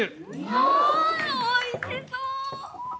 わぁおいしそう！